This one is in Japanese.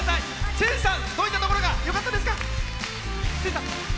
千さん、どういったところがよかったですか？